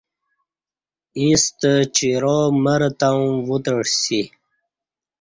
یݩستہ چِیرا مر تاوں وُتعسی